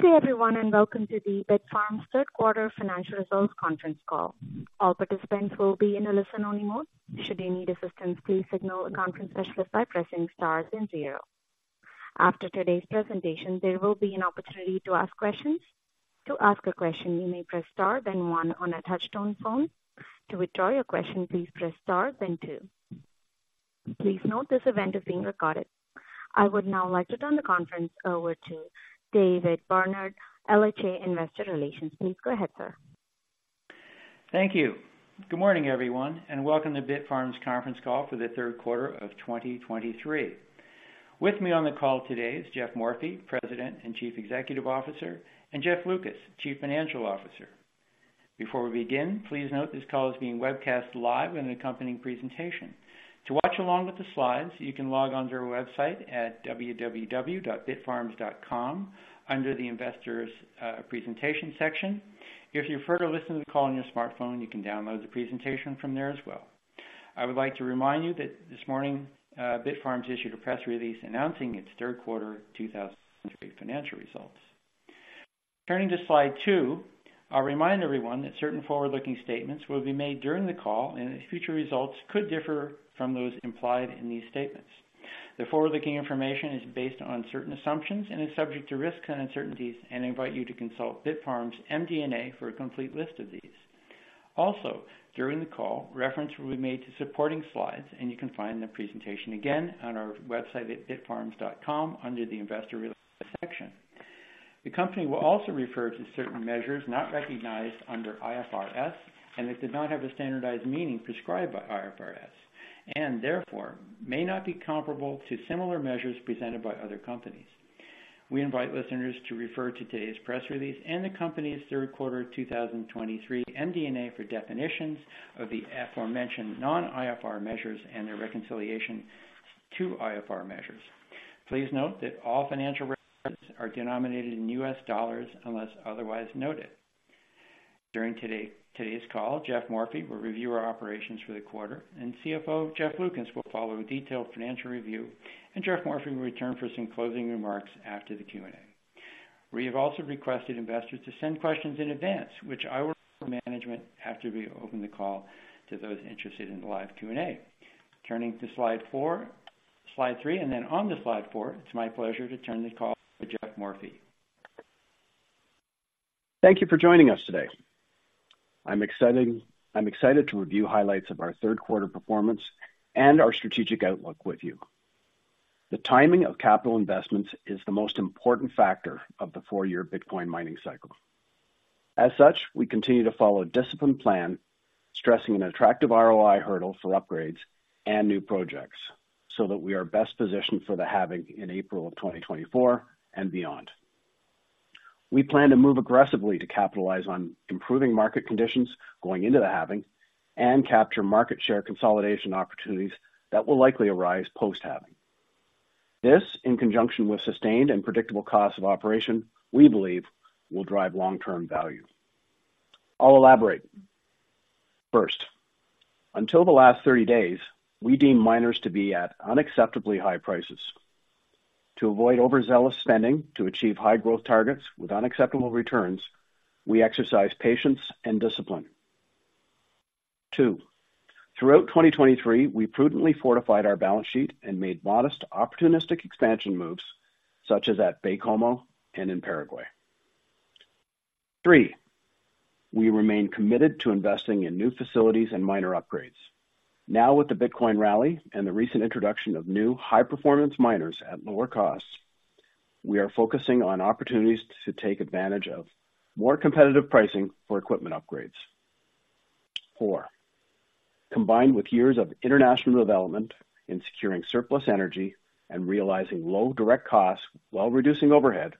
Good day everyone, and welcome to the Bitfarms third quarter financial results conference call. All participants will be in a listen-only mode. Should you need assistance, please signal a conference specialist by pressing star then zero. After today's presentation, there will be an opportunity to ask questions. To ask a question, you may press star then one on a touchtone phone. To withdraw your question, please press star then two. Please note this event is being recorded. I would now like to turn the conference over to David Barnard, LHA Investor Relations. Please go ahead, sir. Thank you. Good morning, everyone, and welcome to Bitfarms conference call for the third quarter of 2023. With me on the call today is Geoff Morphy, President and Chief Executive Officer, and Jeff Lucas, Chief Financial Officer. Before we begin, please note this call is being webcast live with an accompanying presentation. To watch along with the slides, you can log onto our website at www.bitfarms.com under the Investors, Presentation section. If you prefer to listen to the call on your smartphone, you can download the presentation from there as well. I would like to remind you that this morning, Bitfarms issued a press release announcing its third quarter 2023 financial results. Turning to slide two, I'll remind everyone that certain forward-looking statements will be made during the call, and its future results could differ from those implied in these statements. The forward-looking information is based on certain assumptions and is subject to risks and uncertainties, and I invite you to consult Bitfarms MD&A for a complete list of these. Also, during the call, reference will be made to supporting slides, and you can find the presentation again on our website at bitfarms.com under the Investor Relations section. The company will also refer to certain measures not recognized under IFRS, and that do not have the standardized meaning prescribed by IFRS, and therefore, may not be comparable to similar measures presented by other companies. We invite listeners to refer to today's press release and the company's third quarter 2023 MD&A for definitions of the aforementioned non-IFRS measures and their reconciliation to IFRS measures. Please note that all financial records are denominated in U.S. dollars unless otherwise noted. During today's call, Geoff Morphy will review our operations for the quarter, and CFO Jeff Lucas will follow a detailed financial review, and Geoff Morphy will return for some closing remarks after the Q&A. We have also requested investors to send questions in advance, which I will manage after we open the call to those interested in the live Q&A. Turning to slide four, slide three, and then onto slide four, it's my pleasure to turn the call to Geoff Morphy. Thank you for joining us today. I'm excited to review highlights of our third quarter performance and our strategic outlook with you. The timing of capital investments is the most important factor of the four-year Bitcoin mining cycle. As such, we continue to follow a disciplined plan, stressing an attractive ROI hurdle for upgrades and new projects, so that we are best positioned for the halving in April 2024 and beyond. We plan to move aggressively to capitalize on improving market conditions going into the halving and capture market share consolidation opportunities that will likely arise post-halving. This, in conjunction with sustained and predictable costs of operation, we believe, will drive long-term value. I'll elaborate. First, until the last 30 days, we deem miners to be at unacceptably high prices. To avoid overzealous spending, to achieve high growth targets with unacceptable returns, we exercise patience and discipline. Two, throughout 2023, we prudently fortified our balance sheet and made modest opportunistic expansion moves, such as at Baie-Comeau and in Paraguay. Three, we remain committed to investing in new facilities and miner upgrades. Now, with the Bitcoin rally and the recent introduction of new high-performance miners at lower costs, we are focusing on opportunities to take advantage of more competitive pricing for equipment upgrades. Four, combined with years of international development in securing surplus energy and realizing low direct costs while reducing overhead,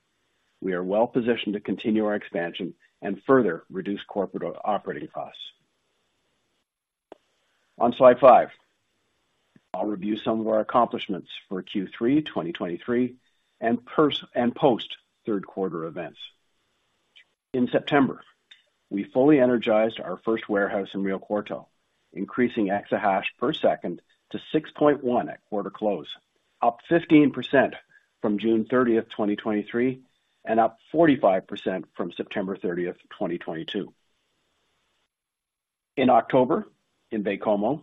we are well positioned to continue our expansion and further reduce corporate operating costs. On slide five, I'll review some of our accomplishments for Q3-2023 and post-third quarter events. In September, we fully energized our first warehouse in Rio Cuarto, increasing exahash per second to 6.1 at quarter close, up 15% from June 30, 2023, and up 45% from September 30, 2022. In October, in Baie-Comeau,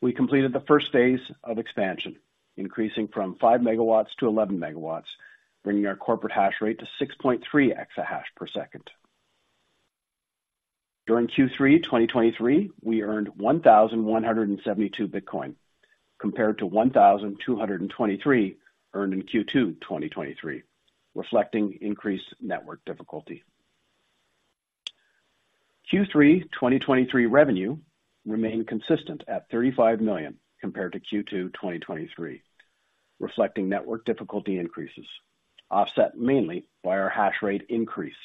we completed the first phase of expansion, increasing from 5 MW-11 MW, bringing our corporate hash rate to 6.3 exahash per second. During Q3-2023, we earned 1,172 Bitcoin, compared to 1,223 earned in Q2-2023, reflecting increased network difficulty. Q3-2023 revenue remained consistent at $35 million compared to Q2-2023, reflecting network difficulty increases, offset mainly by our hash rate increase.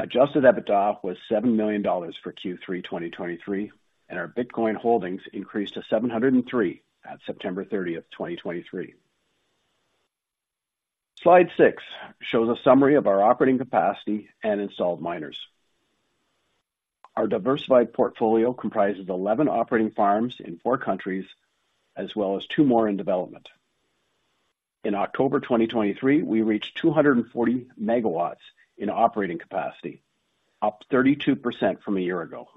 Adjusted EBITDA was $7 million for Q3-2023, and our Bitcoin holdings increased to 703 at September 30, 2023. Slide six shows a summary of our operating capacity and installed miners. Our diversified portfolio comprises 11 operating farms in four countries, as well as two more in development. In October 2023, we reached 240 MW in operating capacity, up 32% from a year ago.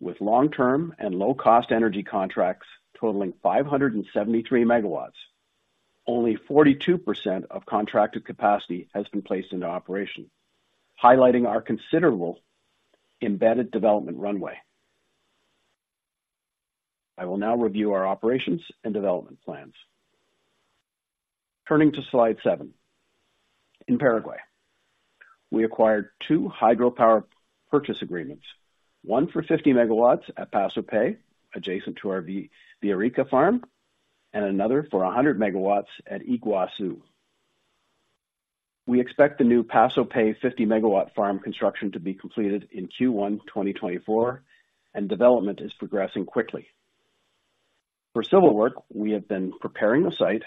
With long-term and low-cost energy contracts totaling 573 MW, only 42% of contracted capacity has been placed into operation, highlighting our considerable embedded development runway. I will now review our operations and development plans. Turning to slide seven. In Paraguay, we acquired two hydropower purchase agreements, one for 50 MW at Paso Pe, adjacent to our Villarrica farm, and another for 100 MW at Iguazú. We expect the new Paso Pe 50 MW farm construction to be completed in Q1 2024, and development is progressing quickly. For civil work, we have been preparing the site,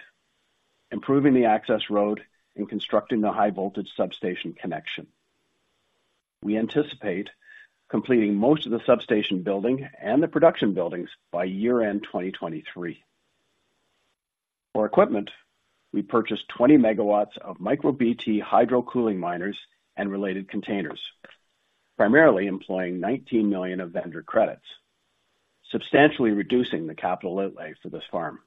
improving the access road, and constructing the high voltage substation connection. We anticipate completing most of the substation building and the production buildings by year-end 2023. For equipment, we purchased 20 MW of MicroBT hydrocooling miners and related containers, primarily employing $19 million of vendor credits, substantially reducing the capital outlay for this farm.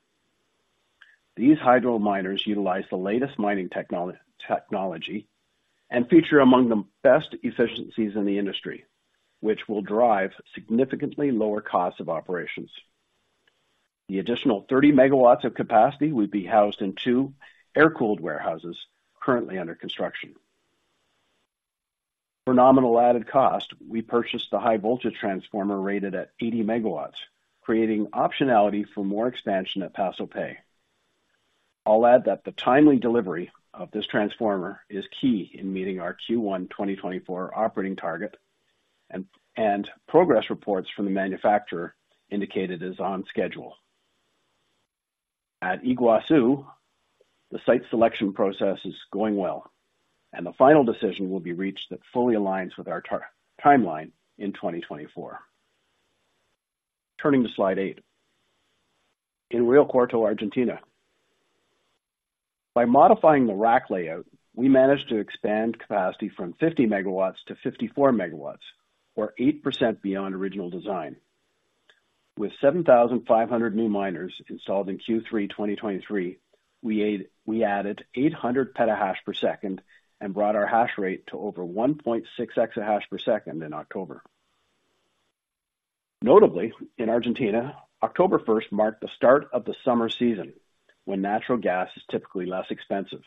These hydro miners utilize the latest mining technology and feature among the best efficiencies in the industry, which will drive significantly lower costs of operations. The additional 30 MW of capacity will be housed in two air-cooled warehouses currently under construction. For nominal added cost, we purchased the high voltage transformer rated at 80 MW, creating optionality for more expansion at Paso Pe. I'll add that the timely delivery of this transformer is key in meeting our Q1 2024 operating target, and progress reports from the manufacturer indicated it's on schedule. At Iguazú, the site selection process is going well, and the final decision will be reached that fully aligns with our timeline in 2024. Turning to slide eight. In Rio Cuarto, Argentina, by modifying the rack layout, we managed to expand capacity from 50 MW-54 MW, or 8% beyond original design. With 7,500 new miners installed in Q3 2023, we added 800 PH/s and brought our hash rate to over 1.6 EH/s in October. Notably, in Argentina, October 1 marked the start of the summer season, when natural gas is typically less expensive.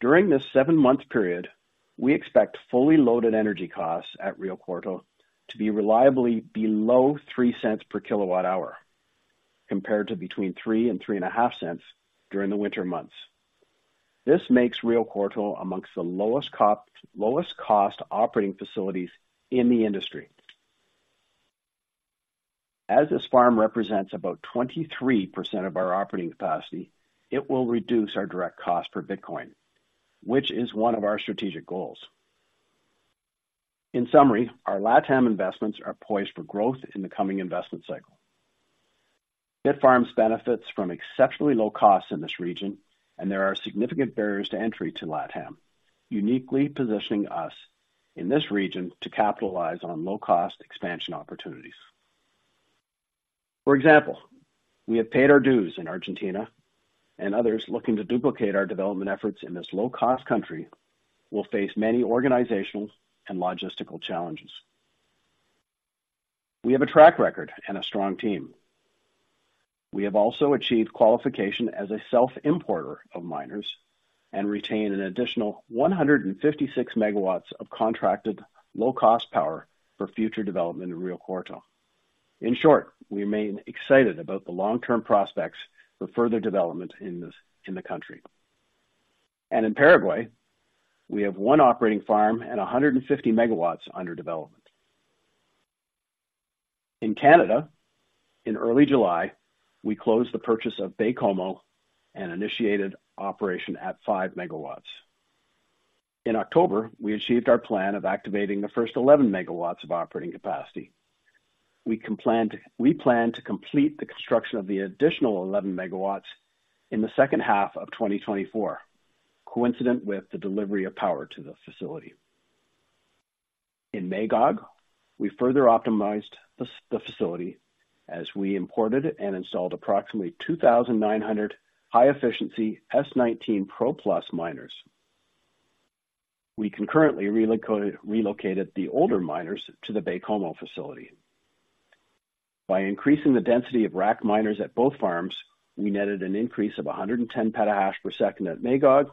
During this seven month period, we expect fully loaded energy costs at Rio Cuarto to be reliably below $0.03 per kWh, compared to between $0.03-$0.035 during the winter months. This makes Rio Cuarto among the lowest cost operating facilities in the industry. As this farm represents about 23% of our operating capacity, it will reduce our direct cost per Bitcoin, which is one of our strategic goals. In summary, our LatAm investments are poised for growth in the coming investment cycle. Bitfarms benefits from exceptionally low costs in this region, and there are significant barriers to entry to LatAm, uniquely positioning us in this region to capitalize on low-cost expansion opportunities. For example, we have paid our dues in Argentina, and others looking to duplicate our development efforts in this low-cost country will face many organizational and logistical challenges. We have a track record and a strong team. We have also achieved qualification as a self-importer of miners and retain an additional 156 MW of contracted low-cost power for future development in Rio Cuarto. In short, we remain excited about the long-term prospects for further development in this, in the country. And in Paraguay, we have one operating farm and 150 MW under development. In Canada, in early July, we closed the purchase of Baie-Comeau and initiated operation at 5 MW. In October, we achieved our plan of activating the first 11 MW of operating capacity. We plan to complete the construction of the additional 11 MW in the second half of 2024, coincident with the delivery of power to the facility. In Magog, we further optimized the facility as we imported and installed approximately 2,900 high-efficiency S19 Pro Plus miners. We concurrently relocated the older miners to the Baie-Comeau facility. By increasing the density of rack miners at both farms, we netted an increase of 110 PH/s at Magog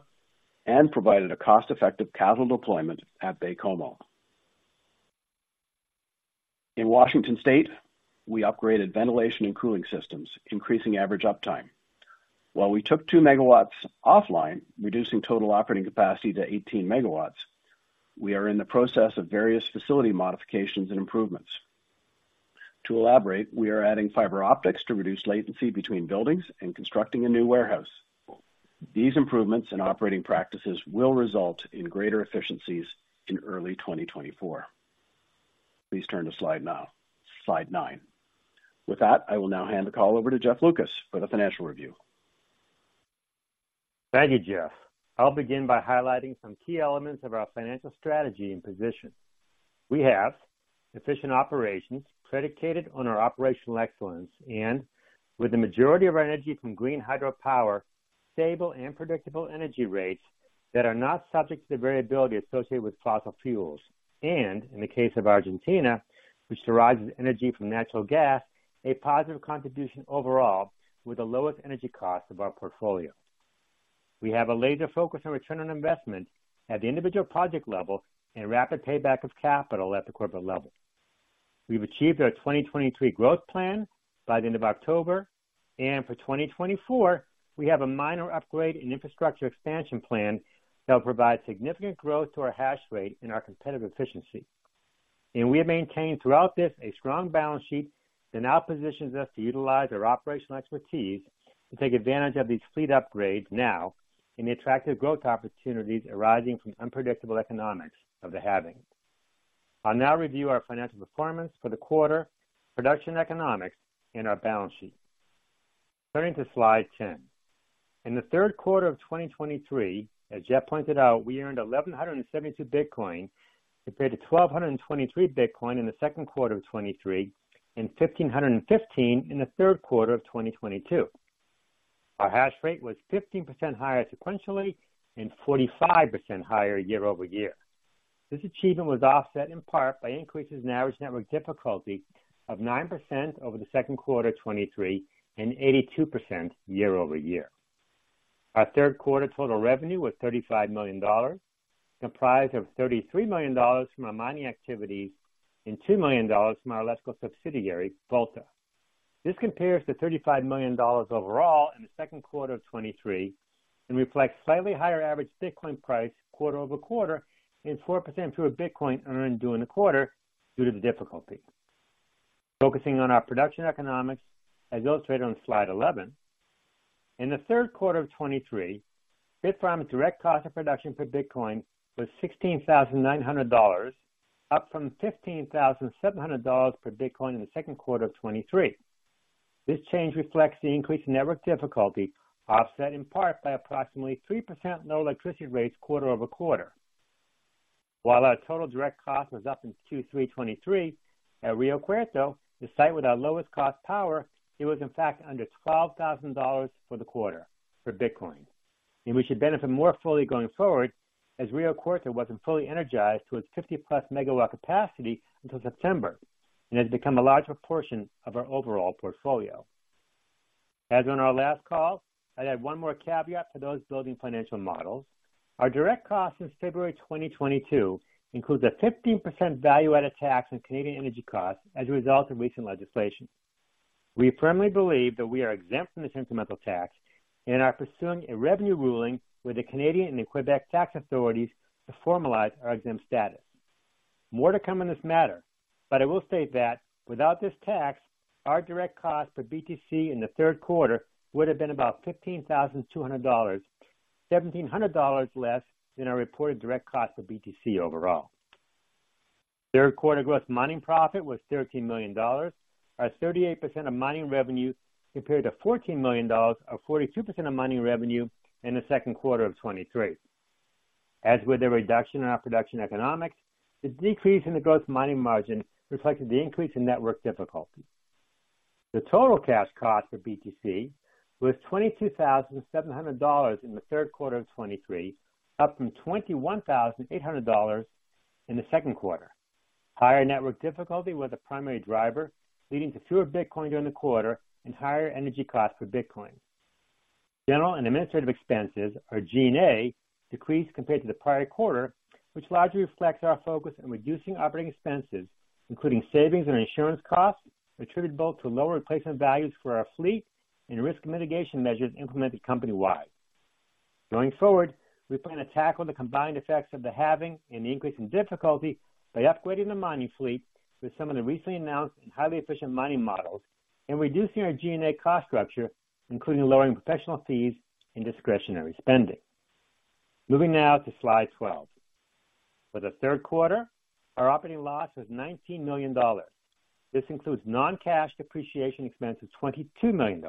and provided a cost-effective capital deployment at Baie-Comeau. In Washington State, we upgraded ventilation and cooling systems, increasing average uptime. While we took 2 MW offline, reducing total operating capacity to 18 MW, we are in the process of various facility modifications and improvements. To elaborate, we are adding fiber optics to reduce latency between buildings and constructing a new warehouse. These improvements in operating practices will result in greater efficiencies in early 2024. Please turn to slide nine, slide nine. With that, I will now hand the call over to Jeff Lucas for the financial review. Thank you, Geoff. I'll begin by highlighting some key elements of our financial strategy and position. We have efficient operations predicated on our operational excellence and with the majority of our energy from green hydropower, stable and predictable energy rates that are not subject to the variability associated with fossil fuels, and in the case of Argentina, which derives energy from natural gas, a positive contribution overall with the lowest energy cost of our portfolio. We have a laser focus on return on investment at the individual project level and rapid payback of capital at the corporate level. We've achieved our 2023 growth plan by the end of October, and for 2024, we have a minor upgrade and infrastructure expansion plan that will provide significant growth to our hash rate and our competitive efficiency. We have maintained throughout this a strong balance sheet that now positions us to utilize our operational expertise to take advantage of these fleet upgrades now in the attractive growth opportunities arising from unpredictable economics of the halving. I'll now review our financial performance for the quarter, production economics, and our balance sheet. Turning to slide 10. In the third quarter of 2023, as Geoff pointed out, we earned 1,172 Bitcoin compared to 1,223 Bitcoin in the second quarter of 2023, and 1,515 in the third quarter of 2022. Our hash rate was 15% higher sequentially and 45% higher year-over-year. This achievement was offset in part by increases in average network difficulty of 9% over the second quarter of 2023 and 82% year-over-year. Our third quarter total revenue was $35 million, comprised of $33 million from our mining activities and $2 million from our electrical subsidiary, Volta. This compares to $35 million overall in the second quarter of 2023 and reflects slightly higher average Bitcoin price quarter-over-quarter and 4% fewer Bitcoin earned during the quarter due to the difficulty. Focusing on our production economics, as illustrated on slide 11. In the third quarter of 2023, Bitfarms' direct cost of production per Bitcoin was $16,900, up from $15,700 per Bitcoin in the second quarter of 2023. This change reflects the increased network difficulty, offset in part by approximately 3% lower electricity rates quarter-over-quarter. While our total direct cost was up in Q3 2023, at Rio Cuarto, the site with our lowest cost power, it was in fact under $12,000 for the quarter for Bitcoin, and we should benefit more fully going forward as Rio Cuarto wasn't fully energized to its 50+ MW capacity until September, and has become a large proportion of our overall portfolio. As on our last call, I'd add one more caveat to those building financial models. Our direct costs since February 2022 includes a 15% value-added tax on Canadian energy costs as a result of recent legislation. We firmly believe that we are exempt from this incremental tax and are pursuing a revenue ruling with the Canadian and the Quebec tax authorities to formalize our exempt status. More to come in this matter, but I will state that without this tax, our direct cost per BTC in the third quarter would have been about $15,200, $1,700 less than our reported direct cost of BTC overall. Third quarter gross mining profit was $13 million, or 38% of mining revenue, compared to $14 million, or 42% of mining revenue in the second quarter of 2023. As with the reduction in our production economics, the decrease in the gross mining margin reflected the increase in network difficulty. The total cash cost for BTC was $22,700 in the third quarter of 2023, up from $21,800 in the second quarter. Higher network difficulty was the primary driver, leading to fewer Bitcoin during the quarter and higher energy costs for Bitcoin. General and administrative expenses, or G&A, decreased compared to the prior quarter, which largely reflects our focus on reducing operating expenses, including savings and insurance costs, attributable to lower replacement values for our fleet and risk mitigation measures implemented company-wide. Going forward, we plan to tackle the combined effects of the halving and the increase in difficulty by upgrading the mining fleet with some of the recently announced and highly efficient mining models and reducing our G&A cost structure, including lowering professional fees and discretionary spending. Moving now to slide 12. For the third quarter, our operating loss was $19 million. This includes non-cash depreciation expense of $22 million.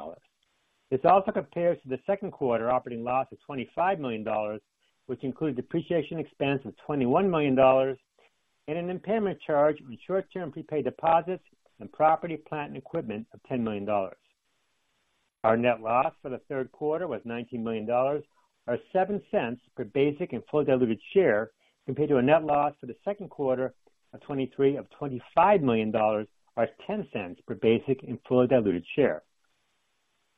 This also compares to the second quarter operating loss of $25 million, which includes depreciation expense of $21 million and an impairment charge on short-term prepaid deposits and property, plant, and equipment of $10 million. Our net loss for the third quarter was $19 million, or $0.07 per basic and fully diluted share, compared to a net loss for the second quarter of 2023 of $25 million, or $0.10 per basic and fully diluted share.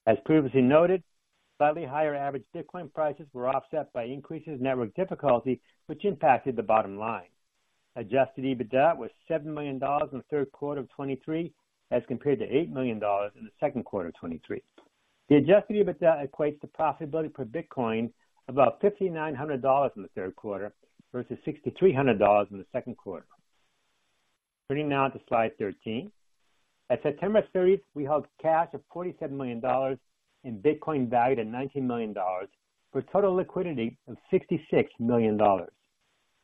As previously noted, slightly higher average Bitcoin prices were offset by increases in network difficulty, which impacted the bottom line. Adjusted EBITDA was $7 million in the third quarter of 2023, as compared to $8 million in the second quarter of 2023. The adjusted EBITDA equates the profitability per Bitcoin about $5,900 in the third quarter, versus $6,300 in the second quarter. Turning now to slide 13. At September 30, we held cash of $47 million in Bitcoin, valued at $19 million, for total liquidity of $66 million.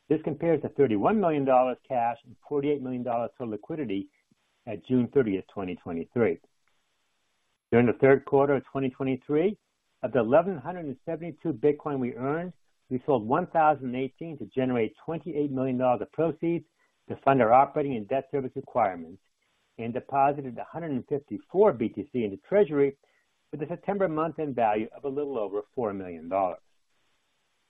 This compares to $31 million cash and $48 million total liquidity at June 30, 2023. During the third quarter of 2023, of the 1,172 Bitcoin we earned, we sold 1,018 to generate $28 million of proceeds to fund our operating and debt service requirements, and deposited 154 BTC into Treasury with a September month-end value of a little over $4 million.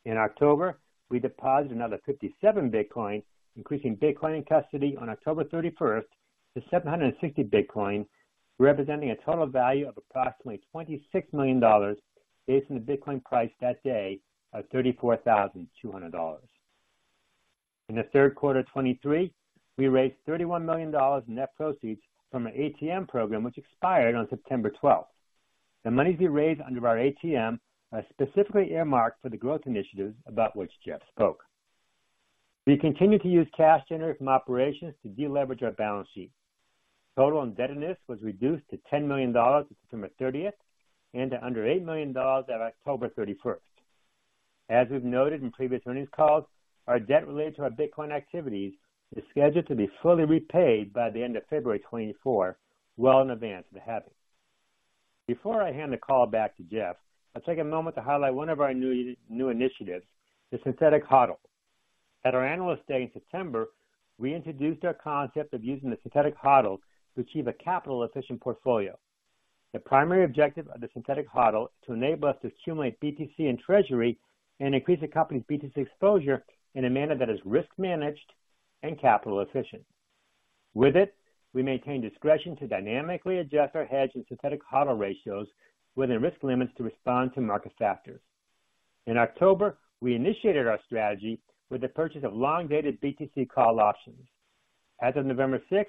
In October, we deposited another 57 Bitcoin, increasing Bitcoin in custody on October 31 to 760 Bitcoin, representing a total value of approximately $26 million, based on the Bitcoin price that day of $34,200. In the third quarter of 2023, we raised $31 million in net proceeds from our ATM program, which expired on September 12. The monies we raised under our ATM are specifically earmarked for the growth initiatives about which Geoff spoke. We continue to use cash generated from operations to deleverage our balance sheet. Total indebtedness was reduced to $10 million on September 30th, and to under $8 million at October 31st. As we've noted in previous earnings calls, our debt related to our Bitcoin activities is scheduled to be fully repaid by the end of February 2024, well in advance of the halving. Before I hand the call back to Geoff, I'll take a moment to highlight one of our new initiatives, the Synthetic HODL. At our Analyst Day in September, we introduced our concept of using the Synthetic HODL to achieve a capital-efficient portfolio. The primary objective of the Synthetic HODL is to enable us to accumulate BTC in Treasury and increase the company's BTC exposure in a manner that is risk-managed and capital-efficient. With it, we maintain discretion to dynamically adjust our hedge and Synthetic HODL ratios within risk limits to respond to market factors. In October, we initiated our strategy with the purchase of long-dated BTC call options. As of November 6th,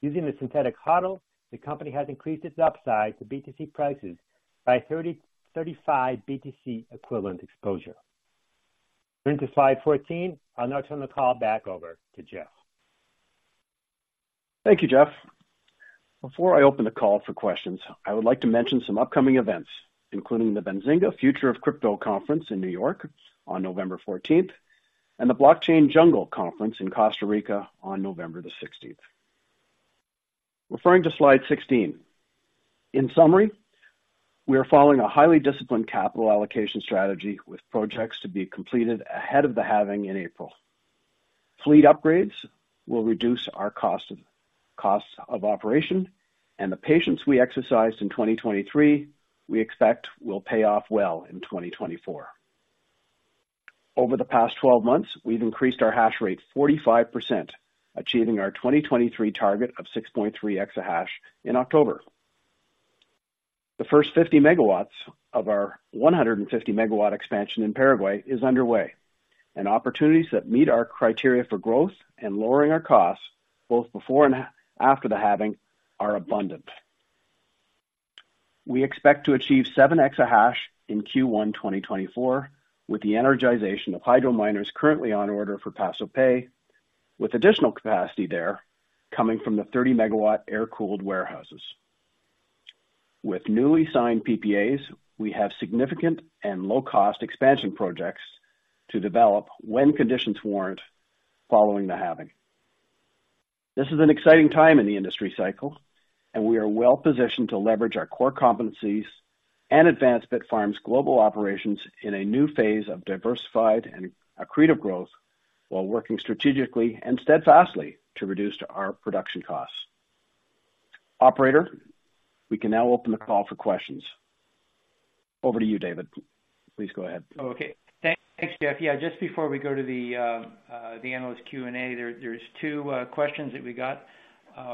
using the Synthetic HODL, the company has increased its upside to BTC prices by 35 BTC equivalent exposure. Turning to Slide 14, I'll now turn the call back over to Geoff. Thank you, Jeff. Before I open the call for questions, I would like to mention some upcoming events, including the Benzinga Future of Crypto Conference in New York on November fourteenth, and the Blockchain Jungle Conference in Costa Rica on November 16th. Referring to slide 16. In summary, we are following a highly disciplined capital allocation strategy with projects to be completed ahead of the halving in April. Fleet upgrades will reduce our costs of operation, and the patience we exercised in 2023, we expect will pay off well in 2024. Over the past 12 months, we've increased our hash rate 45%, achieving our 2023 target of 6.3 exahash in October. The first 50 MW of our 150 MW expansion in Paraguay is underway, and opportunities that meet our criteria for growth and lowering our costs, both before and after the halving, are abundant. We expect to achieve 7 exahash in Q1 2024, with the energization of hydro miners currently on order for Paso Pe, with additional capacity there coming from the 30 MW air-cooled warehouses. With newly signed PPAs, we have significant and low-cost expansion projects to develop when conditions warrant following the halving. This is an exciting time in the industry cycle, and we are well-positioned to leverage our core competencies and advance Bitfarms' global operations in a new phase of diversified and accretive growth, while working strategically and steadfastly to reduce our production costs. Operator, we can now open the call for questions. Over to you, David. Please go ahead. Okay. Thanks, Geoff. Yeah, just before we go to the analyst Q&A, there's two questions that we got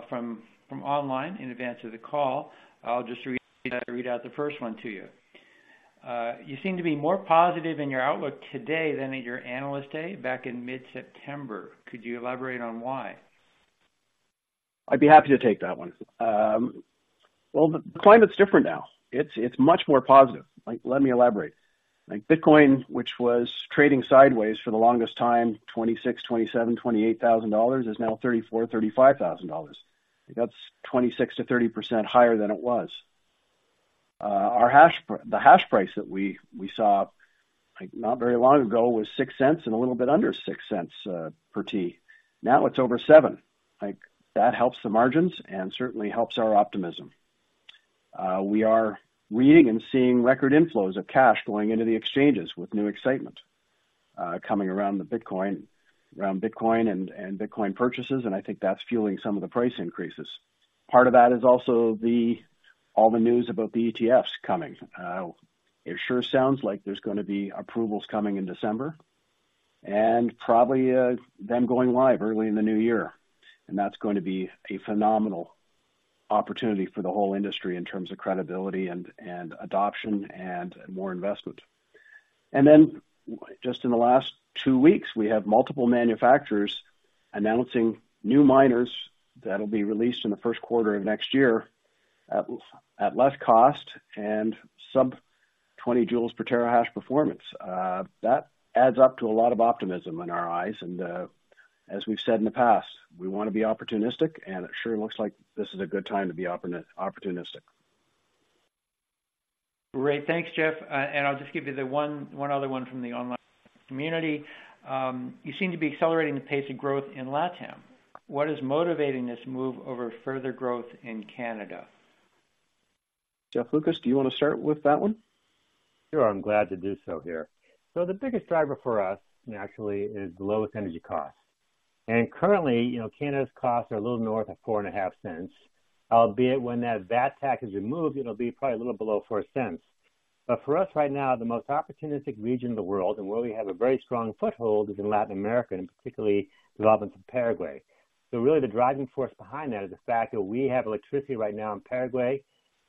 from online in advance of the call. I'll just read out the first one to you. You seem to be more positive in your outlook today than at your Analyst Day back in mid-September. Could you elaborate on why? I'd be happy to take that one. Well, the climate's different now. It's, it's much more positive. Like, let me elaborate. Like, Bitcoin, which was trading sideways for the longest time, $26,000-$28,000, is now $34,000-$35,000. That's 26%-30% higher than it was. The hash price that we, we saw, like, not very long ago, was $0.06 and a little bit under $0.06 per T. Now it's over $0.07. Like, that helps the margins and certainly helps our optimism. We are reading and seeing record inflows of cash going into the exchanges with new excitement coming around Bitcoin and Bitcoin purchases, and I think that's fueling some of the price increases. Part of that is also all the news about the ETFs coming. It sure sounds like there's gonna be approvals coming in December and probably them going live early in the new year, and that's going to be a phenomenal opportunity for the whole industry in terms of credibility and adoption and more investment. And then just in the last two weeks, we have multiple manufacturers announcing new miners that'll be released in the first quarter of next year at less cost and sub-20 joules per terahash performance. That adds up to a lot of optimism in our eyes. And as we've said in the past, we want to be opportunistic, and it sure looks like this is a good time to be opportunistic. Great. Thanks, Geoff. And I'll just give you the one other one from the online community. You seem to be accelerating the pace of growth in Latam. What is motivating this move over further growth in Canada? Jeff Lucas, do you want to start with that one? Sure, I'm glad to do so here. So the biggest driver for us, naturally, is the lowest energy cost. And currently, you know, Canada's costs are a little north of $0.045, albeit when that VAT tax is removed, it'll be probably a little below $0.04. But for us, right now, the most opportunistic region in the world, and where we have a very strong foothold, is in Latin America, and particularly developing some Paraguay. So really, the driving force behind that is the fact that we have electricity right now in Paraguay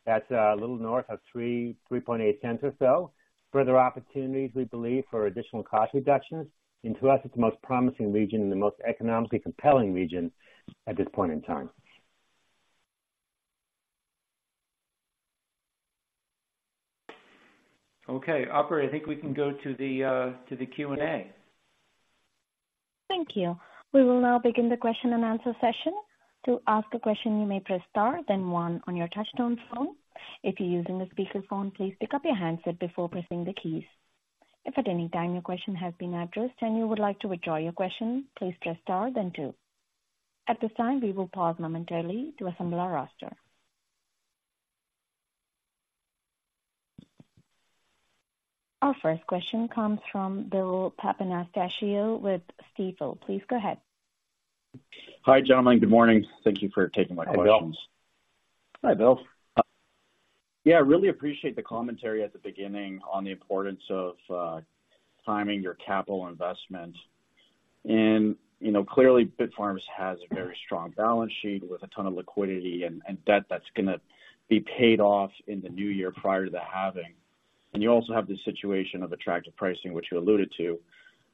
that's a little north of 3.38 cents or so. Further opportunities, we believe, for additional cost reductions, and to us, it's the most promising region and the most economically compelling region at this point in time. Okay, operator, I think we can go to the Q&A. Thank you. We will now begin the question and answer session. To ask a question, you may press star, then one on your touchtone phone. If you're using a speakerphone, please pick up your handset before pressing the keys. If at any time your question has been addressed and you would like to withdraw your question, please press star then two. At this time, we will pause momentarily to assemble our roster. Our first question comes from Bill Papanastasiou with Stifel. Please go ahead. Hi, gentlemen. Good morning. Thank you for taking my questions. Hi, Bill. Hi, Bill. Yeah, I really appreciate the commentary at the beginning on the importance of timing your capital investment. You know, clearly, Bitfarms has a very strong balance sheet with a ton of liquidity and debt that's gonna be paid off in the new year prior to the halving. You also have the situation of attractive pricing, which you alluded to.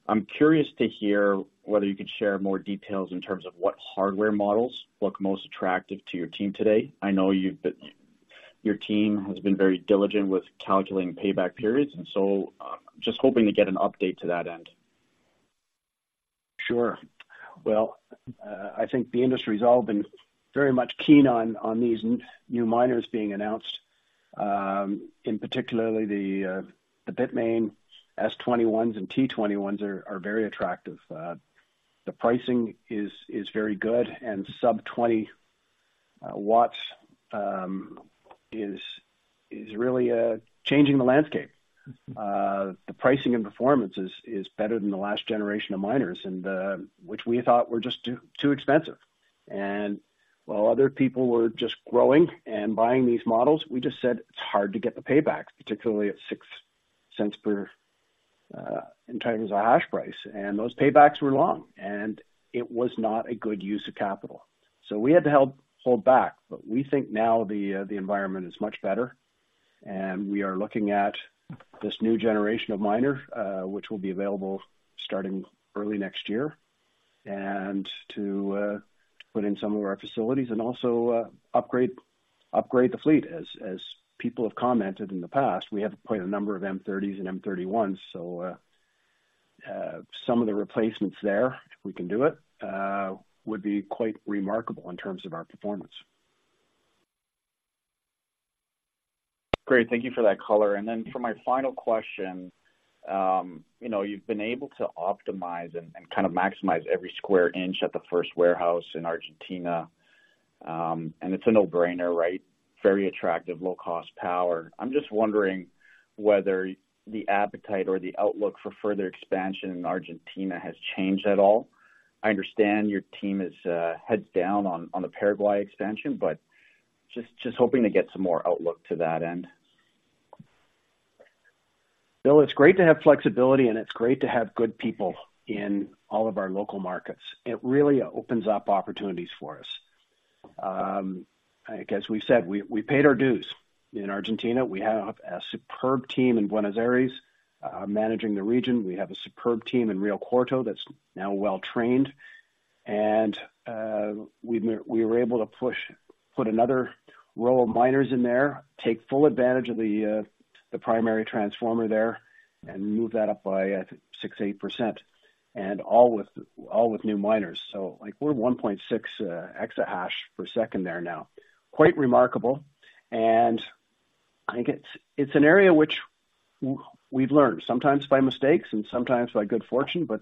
I'm curious to hear whether you could share more details in terms of what hardware models look most attractive to your team today. I know you've been your team has been very diligent with calculating payback periods, and so just hoping to get an update to that end. Sure. Well, I think the industry's all been very much keen on these new miners being announced, particularly the Bitmain S21 and T21 are very attractive. The pricing is very good, and sub-20 watts is really changing the landscape. The pricing and performance is better than the last generation of miners and which we thought were just too expensive. And while other people were just growing and buying these models, we just said, "It's hard to get the paybacks," particularly at $0.06 per in terms of hash price. And those paybacks were long, and it was not a good use of capital. So we had to hold back, but we think now the environment is much better, and we are looking at this new generation of miner, which will be available starting early next year, and to put in some of our facilities and also upgrade the fleet. As people have commented in the past, we have quite a number of M30s and M31s, so some of the replacements there, if we can do it, would be quite remarkable in terms of our performance. Great. Thank you for that color. Then for my final question, you know, you've been able to optimize and kind of maximize every square inch at the first warehouse in Argentina, and it's a no-brainer, right? Very attractive, low-cost power. I'm just wondering whether the appetite or the outlook for further expansion in Argentina has changed at all. I understand your team is heads down on the Paraguay expansion, but just hoping to get some more outlook to that end. Bill, it's great to have flexibility, and it's great to have good people in all of our local markets. It really opens up opportunities for us. Like, as we said, we paid our dues in Argentina. We have a superb team in Buenos Aires managing the region. We have a superb team in Rio Cuarto that's now well trained, and we were able to put another row of miners in there, take full advantage of the primary transformer there, and move that up by 6%-8%, and all with new miners. So like, we're 1.6 exahash per second there now. Quite remarkable, and I think it's an area which we've learned sometimes by mistakes and sometimes by good fortune, but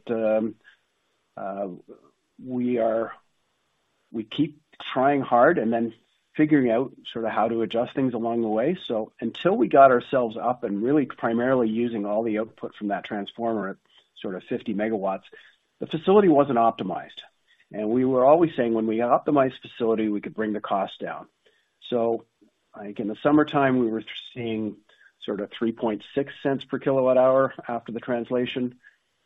we keep trying hard and then figuring out sort of how to adjust things along the way. So until we got ourselves up and really primarily using all the output from that transformer at sort of 50 MW, the facility wasn't optimized, and we were always saying when we optimize the facility, we could bring the cost down. So I think in the summertime, we were seeing sort of $0.036 per kWh after the translation.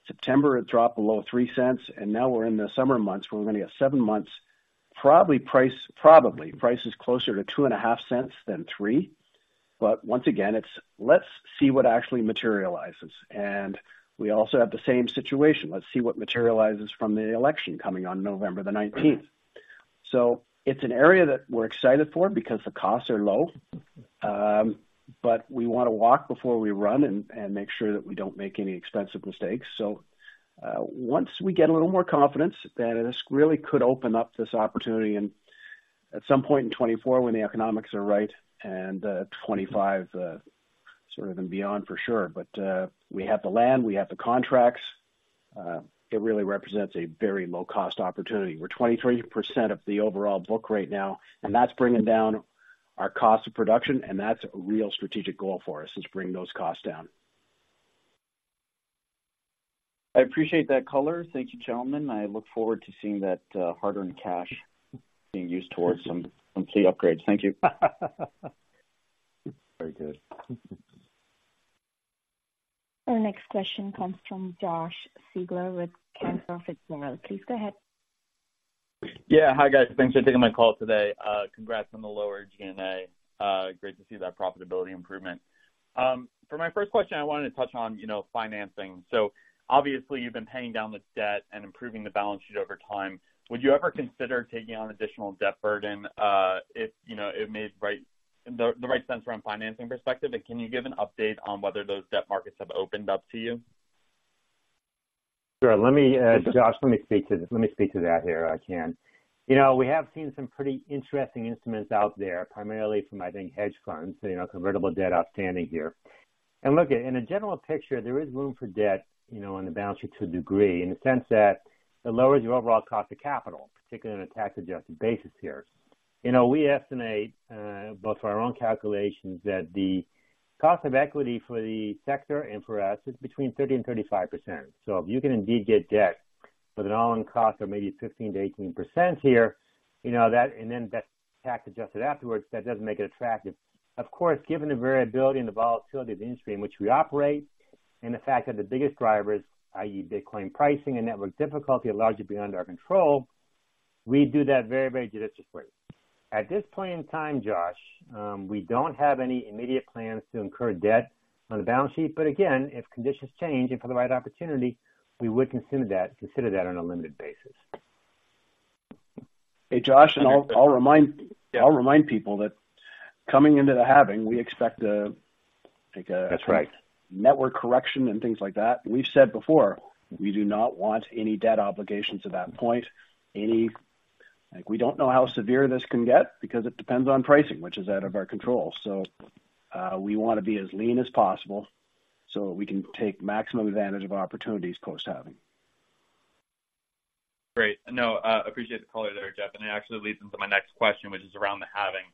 September, it dropped below $0.03, and now we're in the summer months, where we're going to get seven months- probably price, probably price is closer to $0.025 than $0.03. But once again, it's let's see what actually materializes. And we also have the same situation. Let's see what materializes from the election coming on November the nineteenth. So it's an area that we're excited for because the costs are low, but we want to walk before we run and make sure that we don't make any expensive mistakes. So, once we get a little more confidence, then this really could open up this opportunity and at some point in 2024, when the economics are right, and 2025, sort of and beyond for sure. But, we have the land, we have the contracts. It really represents a very low-cost opportunity. We're 23% of the overall book right now, and that's bringing down our cost of production, and that's a real strategic goal for us, is bring those costs down. I appreciate that color. Thank you, gentlemen. I look forward to seeing that hard-earned cash being used toward some key upgr ades. Thank you. Very good. Our next question comes fromJosh Siegler with Cantor Fitzgerald. Please go ahead. Yeah. Hi, guys. Thanks for taking my call today. Congrats on the lower G&A. Great to see that profitability improvement. For my first question, I wanted to touch on, you know, financing. So obviously, you've been paying down the debt and improving the balance sheet over time. Would you ever consider taking on additional debt burden, if, you know, it made the right sense from a financing perspective? And can you give an update on whether those debt markets have opened up to you? Sure. Let me, Josh, let me speak to that here, I can. You know, we have seen some pretty interesting instruments out there, primarily from, I think, hedge funds, you know, convertible debt outstanding here. And look, in a general picture, there is room for debt, you know, on the balance sheet to a degree, in the sense that it lowers your overall cost of capital, particularly on a tax-adjusted basis here. You know, we estimate, both for our own calculations, that the cost of equity for the sector and for us is between 30% and 35%. So if you can indeed get debt with an all-in cost of maybe 15%-18% here, you know that, and then that tax-adjusted afterwards, that doesn't make it attractive. Of course, given the variability and the volatility of the industry in which we operate, and the fact that the biggest drivers, i.e., Bitcoin pricing and Network Difficulty, are largely beyond our control, we do that very, very judiciously. At this point in time, Josh, we don't have any immediate plans to incur debt on the balance sheet, but again, if conditions change and for the right opportunity, we would consider that, consider that on a limited basis. Hey, Josh, and I'll remind- Yeah. I'll remind people that coming into the halving, we expect a, like a- That's right. Network correction and things like that. We've said before, we do not want any debt obligations at that point. Any. Like, we don't know how severe this can get because it depends on pricing, which is out of our control. So, we want to be as lean as possible so that we can take maximum advantage of opportunities post-halving. Great. No, I appreciate the color there, Geoff, and it actually leads into my next question, which is around the halving.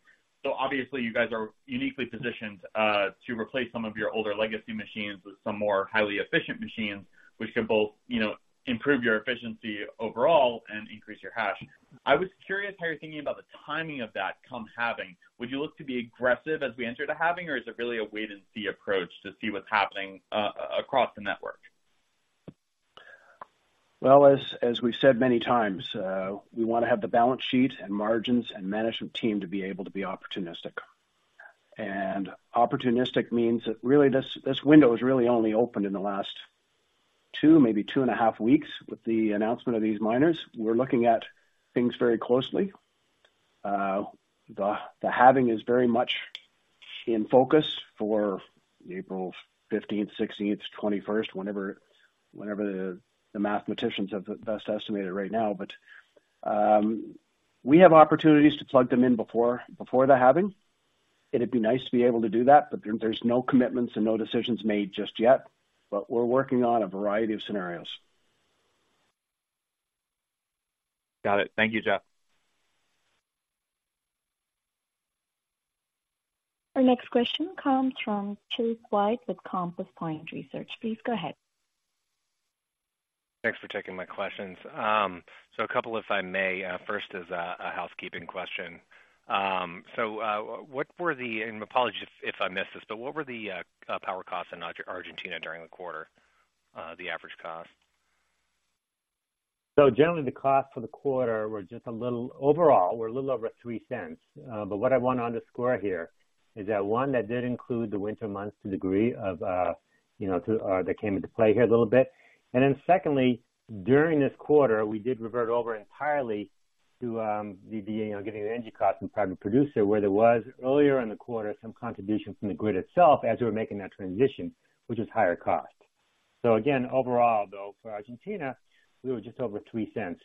So obviously, you guys are uniquely positioned to replace some of your older legacy machines with some more highly efficient machines, which could both, you know, improve your efficiency overall and increase your hash. I was curious how you're thinking about the timing of that come halving. Would you look to be aggressive as we enter the halving, or is it really a wait-and-see approach to see what's happening across the network? Well, as we've said many times, we want to have the balance sheet and margins and management team to be able to be opportunistic. Opportunistic means that really, this window has really only opened in the last two, maybe two and a half weeks with the announcement of these miners. We're looking at things very closely. The halving is very much in focus for April 15th, 16th, 21st, whenever the mathematicians have best estimated right now. But we have opportunities to plug them in before the halving. It'd be nice to be able to do that, but there's no commitments and no decisions made just yet. But we're working on a variety of scenarios. Got it. Thank you, Geoff. Our next question comes from Chase White with Compass Point Research. Please go ahead. Thanks for taking my questions. So a couple, if I may. First is a housekeeping question. So, what were the and apologies if I missed this, but what were the power costs in Argentina during the quarter, the average cost? So generally, the costs for the quarter were just a little, overall, a little over $0.03. But what I want to underscore here is that, one, that did include the winter months to degree of, you know, that came into play here a little bit. And then secondly, during this quarter, we did revert over entirely to, the, you know, getting the energy costs from private producer, where there was earlier in the quarter, some contribution from the grid itself as we were making that transition, which was higher cost. So again, overall, though, for Argentina, we were just over $0.03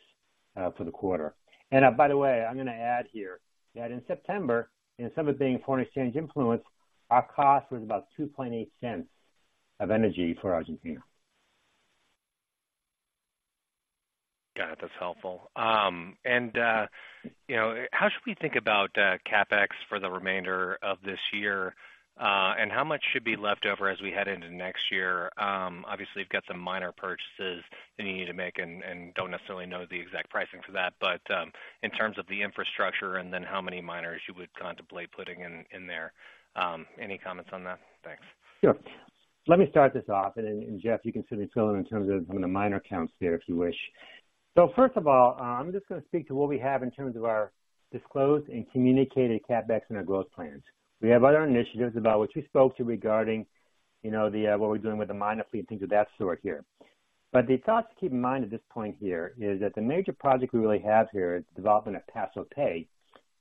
for the quarter. And by the way, I'm going to add here that in September, and some of it being foreign exchange influence, our cost was about $0.028 of energy for Argentina. Got it. That's helpful. You know, how should we think about CapEx for the remainder of this year? And how much should be left over as we head into next year? Obviously, you've got some minor purchases that you need to make and don't necessarily know the exact pricing for that, but in terms of the infrastructure and then how many miners you would contemplate putting in there. Any comments on that? Thanks. Let me start this off, and Geoff, you can certainly fill in in terms of some of the minor accounts there, if you wish. So first of all, I'm just going to speak to what we have in terms of our disclosed and communicated CapEx and our growth plans. We have other initiatives about which we spoke to regarding, you know, the, what we're doing with the miner fleet and things of that sort here. But the thought to keep in mind at this point here is that the major project we really have here is development of Paso Pe,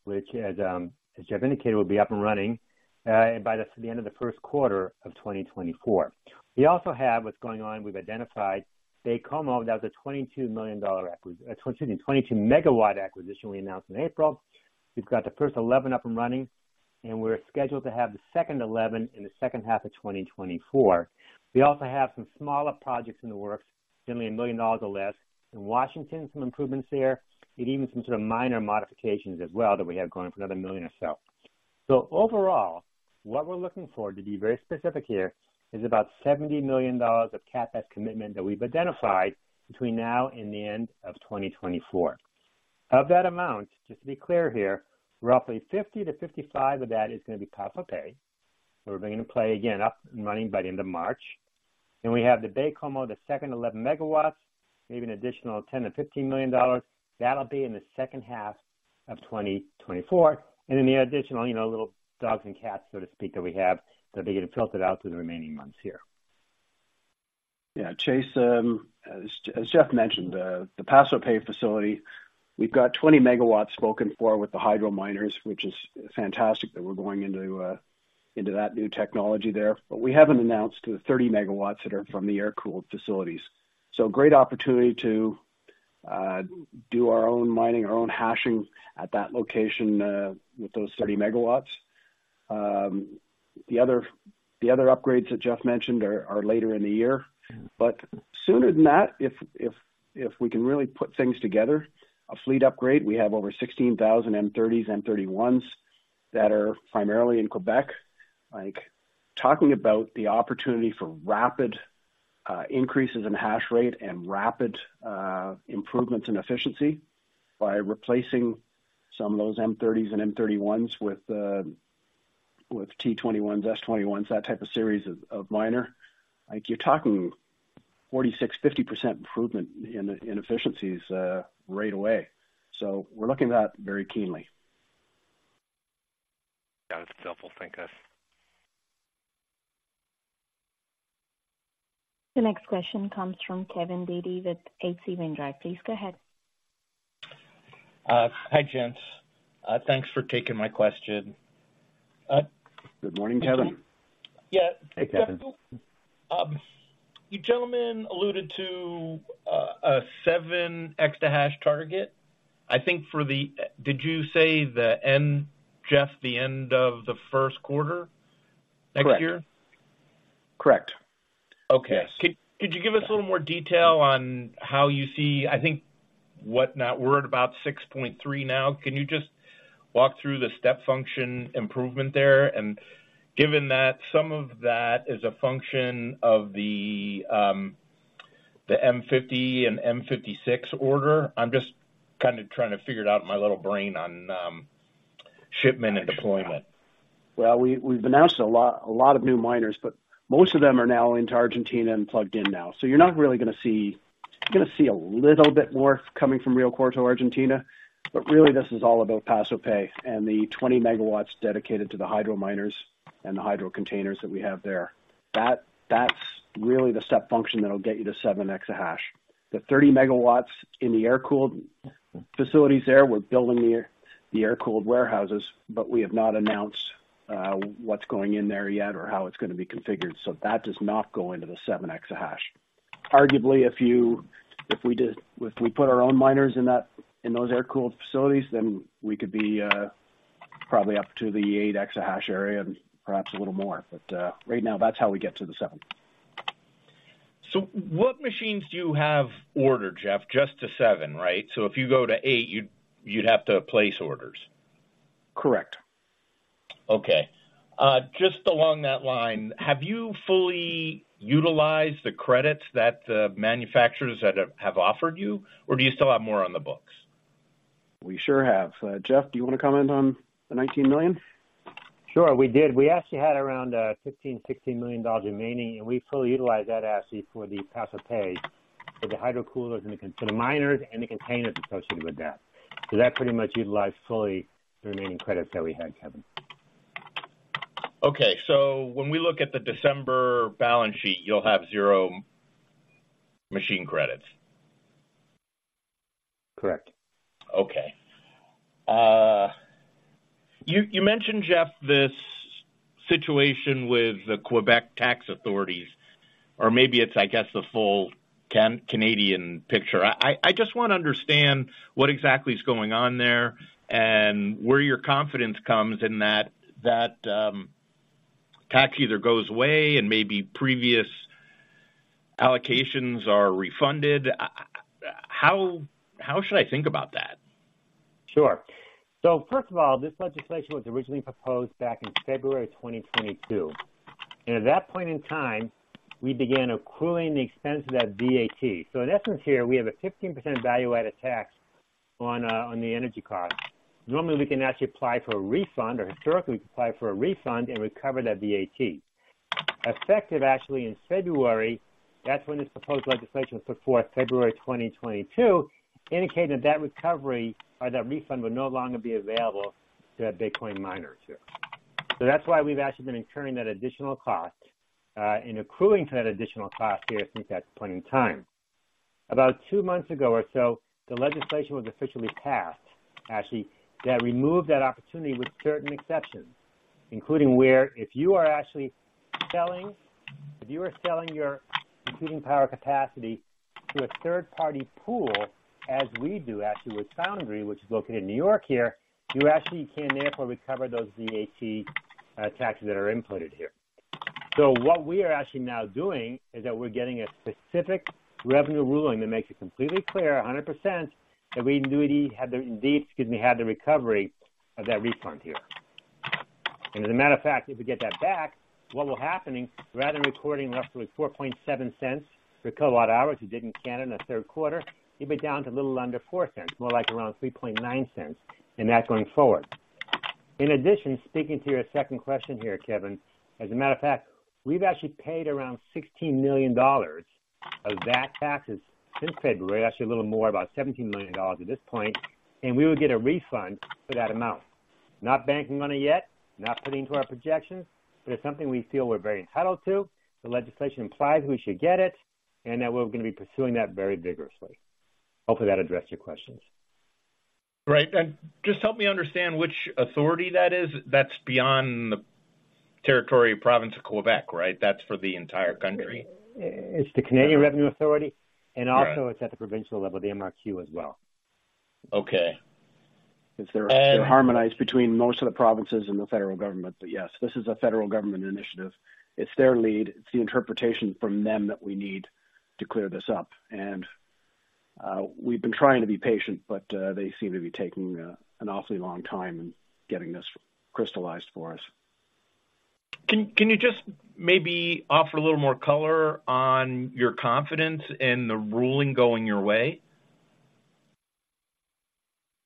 which as, as Geoff indicated, will be up and running, by the end of the first quarter of 2024. We also have what's going on. We've identified Baie-Comeau, that was a $22 million acqui- excuse me, 22 MW acquisition we announced in April. We've got the first 11 up and running, and we're scheduled to have the second 11 in the second half of 2024. We also have some smaller projects in the works, generally $1 million or less. In Washington, some improvements there, and even some sort of minor modifications as well, that we have going for another $1 million or so. So overall, what we're looking for, to be very specific here, is about $70 million of CapEx commitment that we've identified between now and the end of 2024. Of that amount, just to be clear here, roughly $50 million-$55 million of that is going to be Paso Pe, so we're going to Paso Pe again, up and running by the end of March. Then we have the Baie-Comeau, the second 11 MW, maybe an additional $10 million-$15 million. That'll be in the second half of 2024. And then the additional, you know, little dogs and cats, so to speak, that we have, that will get filtered out through the remaining months here. Yeah, Chase, as Jeff mentioned, the Paso Pe facility, we've got 20 MW spoken for with the hydro miners, which is fantastic that we're going into, into that new technology there. But we haven't announced the 30 MW that are from the air-cooled facilities. So great opportunity to, do our own mining, our own hashing at that location, with those 30 MW. The other upgrades that Jeff mentioned are later in the year, but sooner than that, if we can really put things together, a fleet upgrade, we have over 16,000 M30s, M31s that are primarily in Quebec. Like, talking about the opportunity for rapid increases in hash rate and rapid improvements in efficiency by replacing some of those M30s and M31s with with T21s, S21s, that type of series of of miner, like, you're talking 46%-50% improvement in in efficiencies right away. So we're looking at that very keenly. Got it. That's helpful. Thank you guys. The next question comes from Kevin Dede with H.C. Wainwright. Please go ahead. Hi, gents. Thanks for taking my question. Good morning, Kevin. Yeah. Hey, Kevin. You gentlemen alluded to a seven exahash target, I think, for the. Did you say the end, Geoff, the end of the first quarter next year? Correct. Okay. Yes. Could you give us a little more detail on how you see. I think, what not, we're at about 6.3 now. Can you just walk through the step function improvement there? And given that some of that is a function of the, the M50 and M56 order, I'm just kind of trying to figure it out in my little brain on, shipment and deployment. Well, we, we've announced a lot, a lot of new miners, but most of them are now into Argentina and plugged in now. So you're not really going to see, you're going to see a little bit more coming from Rio Cuarto, Argentina. But really, this is all about Paso Pe and the 20 MW dedicated to the hydro miners and the hydro containers that we have there. That, that's really the step function that'll get you to 7 EH/s. The 30 MW in the air-cooled facilities there, we're building the air-cooled warehouses, but we have not announced what's going in there yet or how it's going to be configured. So that does not go into the 7 EH/s. Arguably, if we did, if we put our own miners in that, in those air-cooled facilities, then we could be probably up to the 8 exahash area and perhaps a little more. But right now, that's how we get to the seven. So what machines do you have ordered, Geoff? Just to seven, right? So if you go to eight, you'd, you'd have to place orders. Correct. Okay. Just along that line, have you fully utilized the credits that the manufacturers have offered you, or do you still have more on the books? We sure have. Jeff, do you want to comment on the $19 million? Sure, we did. We actually had around $15 million-$16 million remaining, and we fully utilized that, actually, for the Paso Pe, for the hydro coolers and the miners and the containers associated with that. So that pretty much utilized fully the remaining credits that we had, Kevin. Okay, so when we look at the December balance sheet, you'll have 0 machine credits? Correct. Okay. You mentioned, Jeff, this situation with the Quebec tax authorities, or maybe it's, I guess, the full Canadian picture. I just want to understand what exactly is going on there and where your confidence comes in that tax either goes away and maybe previous allocations are refunded. How should I think about that? Sure. So first of all, this legislation was originally proposed back in February of 2022, and at that point in time, we began accruing the expense of that VAT. So in essence, here, we have a 15% value-added tax on the energy cost. Normally, we can actually apply for a refund, or historically, we could apply for a refund and recover that VAT. Effective, actually, in February, that's when this proposed legislation was put forth, February 2022, indicated that recovery or that refund would no longer be available to that Bitcoin miner too. So that's why we've actually been incurring that additional cost, and accruing to that additional cost here since that point in time. About two months ago or so, the legislation was officially passed, actually, that removed that opportunity with certain exceptions, including where if you are actually selling, if you are selling your computing power capacity to a third-party pool, as we do actually with Foundry, which is located in New York here, you actually can therefore recover those VAT taxes that are inputted here. So what we are actually now doing is that we're getting a specific revenue ruling that makes it completely clear, 100%, that we indeed have the, indeed, excuse me, have the recovery of that refund here. As a matter of fact, if we get that back, what will happen is, rather than recording roughly $0.047 per kWh, as you did in Canada in the third quarter, you'll be down to a little under $0.04, more like around $0.039, and that's going forward. In addition, speaking to your second question here, Kevin, as a matter of fact, we've actually paid around $16 million of that taxes since February, actually a little more, about $17 million at this point, and we would get a refund for that amount. Not banking on it yet, not putting to our projections, but it's something we feel we're very entitled to. The legislation implies we should get it and that we're going to be pursuing that very vigorously. Hopefully, that addressed your questions. Great. And just help me understand which authority that is. That's beyond the territory of Province of Quebec, right? That's for the entire country. It's the Canada Revenue Agency, and also- Right. It's at the provincial level, the MRQ as well. Okay. It's there, they're harmonized between most of the provinces and the federal government. But yes, this is a federal government initiative. It's their lead. It's the interpretation from them that we need to clear this up. And we've been trying to be patient, but they seem to be taking an awfully long time in getting this crystallized for us. Can you just maybe offer a little more color on your confidence in the ruling going your way?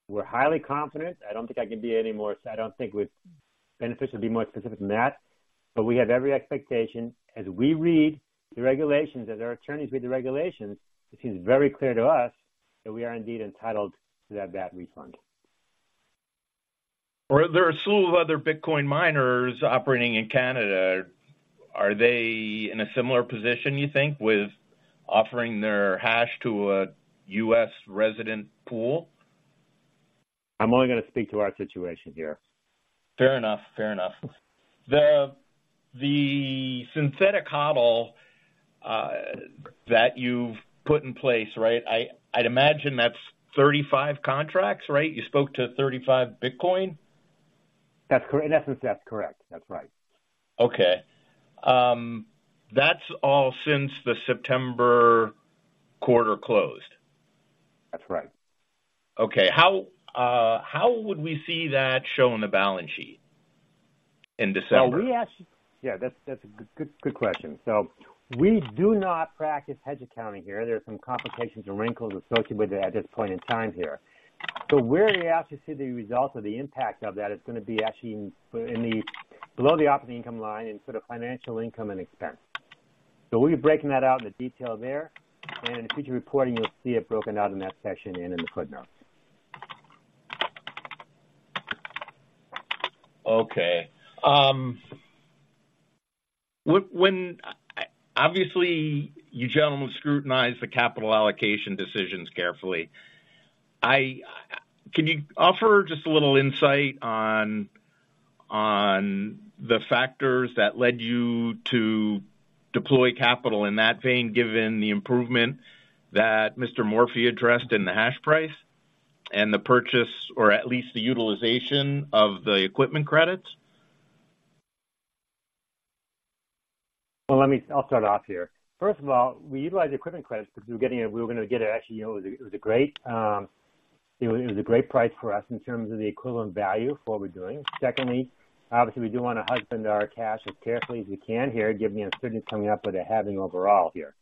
We're highly confident. I don't think I can be any more. I don't think it would be beneficial to be more specific than that, but we have every expectation as we read the regulations, as our attorneys read the regulations, it seems very clear to us that we are indeed entitled to have that refund. Well, there are a slew of other Bitcoin miners operating in Canada. Are they in a similar position, you think, with offering their hash to a U.S. resident pool? I'm only going to speak to our situation here. Fair enough. Fair enough. The synthetic HODL that you've put in place, right? I'd imagine that's 35 contracts, right? You spoke to 35 Bitcoin. That's correct. In essence, that's correct. That's right. Okay. That's all since the September quarter closed? That's right. Okay. How would we see that shown in the balance sheet in December? Well, we actually- yeah, that's, that's a good, good question. So we do not practice hedge accounting here. There are some complications and wrinkles associated with it at this point in time here. So where you actually see the results of the impact of that is going to be actually in, in the below the operating income line in sort of financial income and expense. So we'll be breaking that out in the detail there, and in the future reporting, you'll see it broken out in that section and in the footnotes. Okay. When. Obviously, you gentlemen scrutinize the capital allocation decisions carefully. I, can you offer just a little insight on, on the factors that led you to deploy capital in that vein, given the improvement that Mr. Morphy addressed in the hash price and the purchase, or at least the utilization of the equipment credits? Well, let me. I'll start off here. First of all, we utilize the equipment credits because we're getting a we were going to get a, actually, you know, it was a great, it was a great price for us in terms of the equivalent value for what we're doing. Secondly, obviously, we do want to husband our cash as carefully as we can here, given the uncertainty coming up with a halving overall here.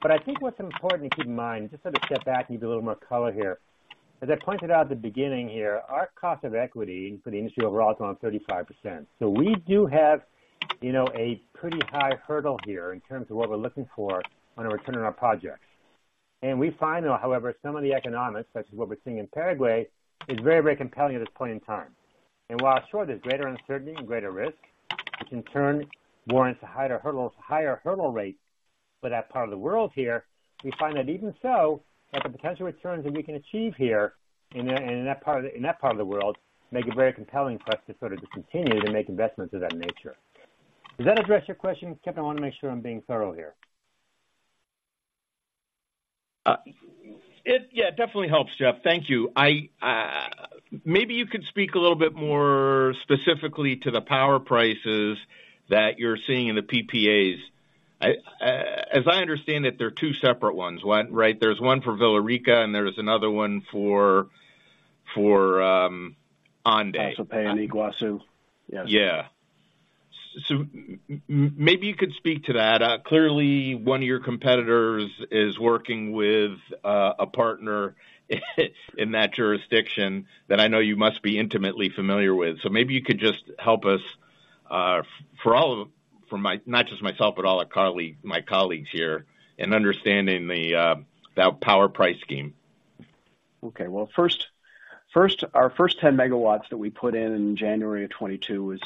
But I think what's important to keep in mind, just sort of step back and give a little more color here. As I pointed out at the beginning here, our cost of equity for the industry overall is around 35%. So we do have, you know, a pretty high hurdle here in terms of what we're looking for on a return on our project. We find, though, however, some of the economics, such as what we're seeing in Paraguay, is very, very compelling at this point in time. While sure, there's greater uncertainty and greater risk, which in turn warrants a higher hurdle, higher hurdle rate for that part of the world here, we find that even so, that the potential returns that we can achieve here in, in that part, in that part of the world, make it very compelling for us to sort of just continue to make investments of that nature. Does that address your question, Kevin? I want to make sure I'm being thorough here. Yeah, it definitely helps, Geoff. Thank you. Maybe you could speak a little bit more specifically to the power prices that you're seeing in the PPAs. As I understand it, there are two separate ones, one, right? There's one for Villarrica, and there's another one for ANDE. Paso Pe and Iguazú. Yes. Yeah. So maybe you could speak to that. Clearly, one of your competitors is working with a partner in that jurisdiction that I know you must be intimately familiar with. So maybe you could just help us, for all of, for my, not just myself, but all our colleague, my colleagues here in understanding the that power price scheme. Okay. Well, first, our first 10 MW that we put in in January of 2022 was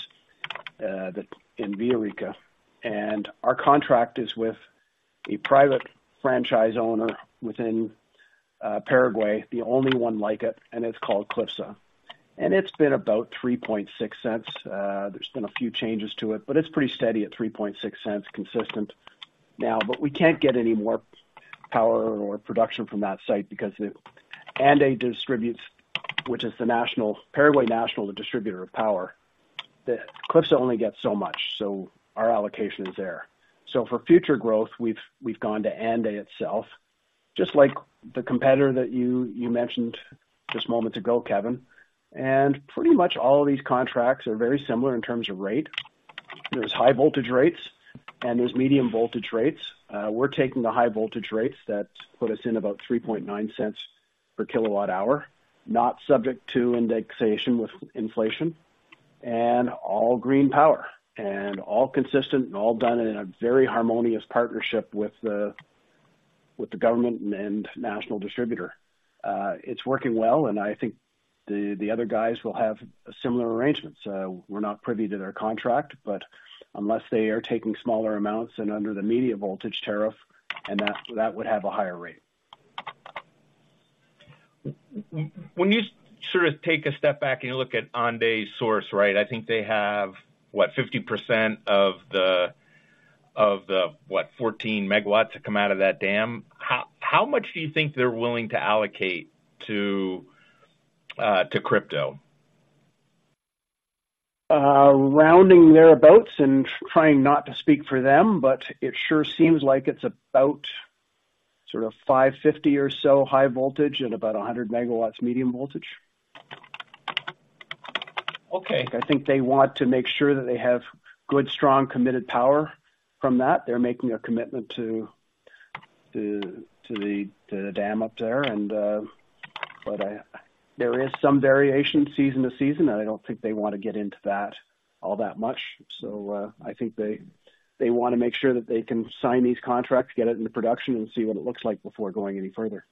in Villarrica, and our contract is with a private franchise owner within Paraguay, the only one like it, and it's called CLYFSA, and it's been about $0.036. There's been a few changes to it, but it's pretty steady at $0.036 consistent now. But we can't get any more power or production from that site because the ANDE distributes, which is the national Paraguay National Distributor of Power, the CLYFSA only gets so much, so our allocation is there. So for future growth, we've gone to ANDE itself, just like the competitor that you mentioned just moments ago, Kevin, and pretty much all of these contracts are very similar in terms of rate. There's high voltage rates and there's medium voltage rates. We're taking the high voltage rates. That's put us in about $0.039 per kWh, not subject to indexation with inflation, and all green power and all consistent, and all done in a very harmonious partnership with the, with the government and national distributor. It's working well, and I think the, the other guys will have similar arrangements. We're not privy to their contract, but unless they are taking smaller amounts and under the medium voltage tariff, and that, that would have a higher rate. When you sort of take a step back and you look at ANDE's source, right, I think they have, what? 50% of the what? 14 MW that come out of that dam. How much do you think they're willing to allocate to crypto? Rounding thereabouts and trying not to speak for them, but it sure seems like it's about sort of 550 or so high voltage and about 100 MW, medium voltage. Okay. I think they want to make sure that they have good, strong, committed power from that. They're making a commitment to the dam up there, and, but I. There is some variation season to season, and I don't think they want to get into that all that much. So, I think they want to make sure that they can sign these contracts, get it into production, and see what it looks like before going any further.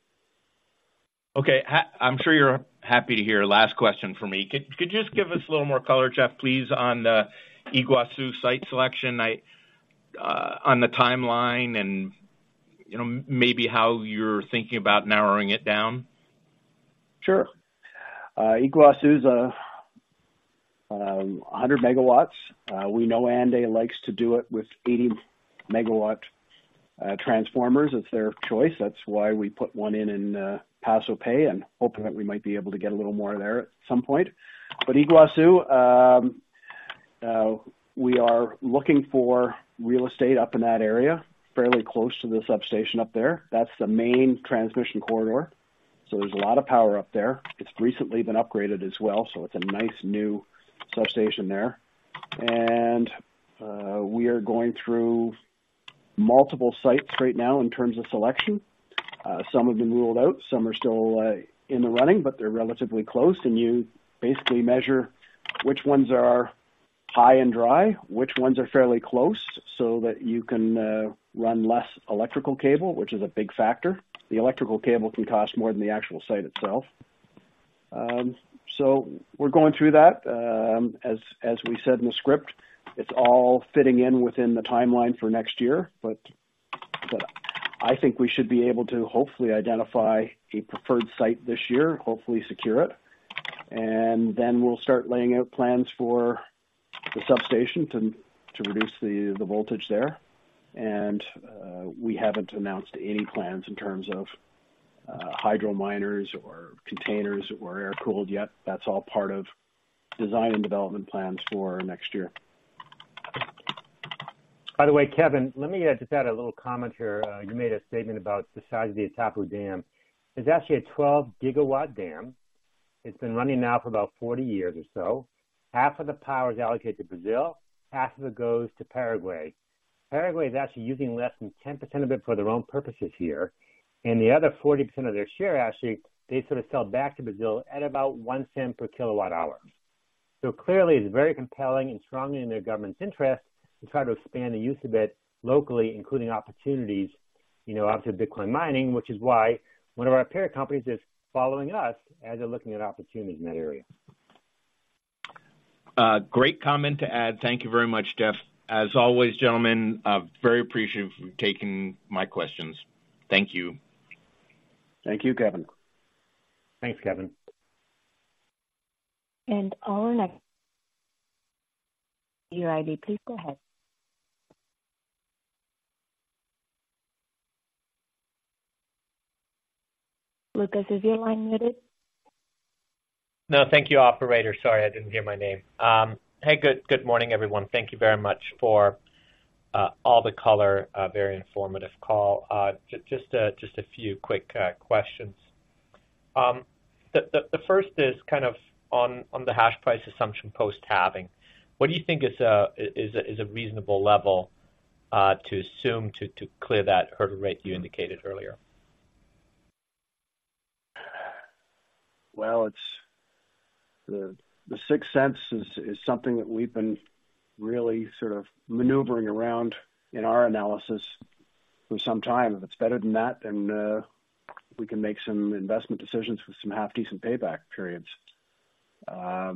Okay, I'm sure you're happy to hear last question for me. Could you just give us a little more color, Geoff, please, on the Iguazú site selection? I, on the timeline and, you know, maybe how you're thinking about narrowing it down. Sure. Iguazú is 100 MW. We know ANDE likes to do it with 80 MW transformers. It's their choice. That's why we put one in in Paso Pe, and hoping that we might be able to get a little more there at some point. But Iguazú, we are looking for real estate up in that area, fairly close to the substation up there. That's the main transmission corridor, so there's a lot of power up there. It's recently been upgraded as well, so it's a nice new substation there. And we are going through multiple sites right now in terms of selection. Some have been ruled out, some are still in the running, but they're relatively close, and you basically measure which ones are high and dry, which ones are fairly close, so that you can run less electrical cable, which is a big factor. The electrical cable can cost more than the actual site itself. So we're going through that. As we said in the script, it's all fitting in within the timeline for next year, but I think we should be able to hopefully identify a preferred site this year, hopefully secure it, and then we'll start laying out plans for the substation to reduce the voltage there. We haven't announced any plans in terms of hydro miners or containers or air-cooled yet. That's all part of design and development plans for next year. By the way, Kevin, let me just add a little comment here. You made a statement about the size of the Itaipú dam. It's actually a 12 GW dam. It's been running now for about 40 years or so. Half of the power is allocated to Brazil, half of it goes to Paraguay. Paraguay is actually using less than 10% of it for their own purposes here, and the other 40% of their share, actually, they sort of sell back to Brazil at about $0.01 per kWh. So clearly, it's very compelling and strongly in their government's interest to try to expand the use of it locally, including opportunities, you know, obviously Bitcoin mining, which is why one of our peer companies is following us as they're looking at opportunities in that area. Great comment to add. Thank you very much, Geoff. As always, gentlemen, I'm very appreciative for taking my questions. Thank you. Thank you, Kevin. Thanks, Kevin. Our next, your ID, please go ahead. Lucas, is your line muted? No, thank you, operator. Sorry, I didn't hear my name. Hey, good morning, everyone. Thank you very much for all the color. A very informative call. Just a few quick questions. The first is kind of on the hash price assumption post-halving. What do you think is a reasonable level to assume to clear that hurdle rate you indicated earlier? Well, it's the $0.06 is something that we've been really sort of maneuvering around in our analysis for some time. If it's better than that, then we can make some investment decisions with some half-decent payback periods. I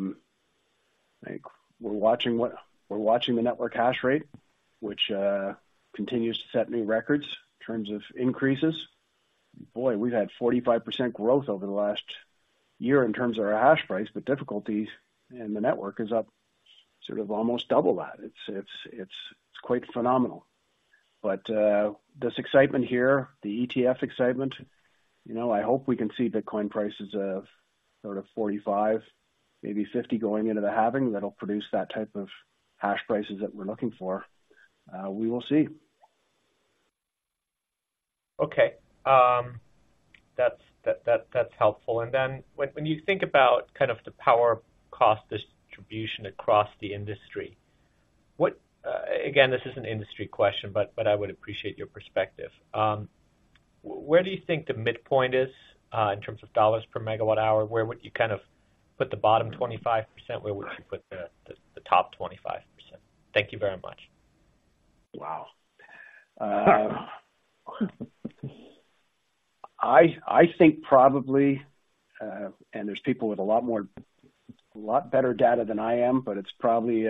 think we're watching the network hash rate, which continues to set new records in terms of increases. Boy, we've had 45% growth over the last year in terms of our hash price, but difficulty in the network is up sort of almost double that. It's quite phenomenal. But this excitement here, the ETF excitement, you know, I hope we can see Bitcoin prices of sort of $45,000, maybe $50,000, going into the halving. That'll produce that type of hash prices that we're looking for. We will see. Okay. That's helpful. And then when you think about kind of the power cost distribution across the industry, what? Again, this is an industry question, but I would appreciate your perspective. Where do you think the midpoint is in terms of dollars per megawatt hour? Where would you kind of put the bottom 25%? Where would you put the top 25%? Thank you very much. Wow! I think probably, and there's people with a lot more, a lot better data than I am, but it's probably